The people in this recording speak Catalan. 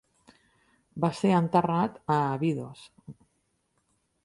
Va ser enterrat a Abidos.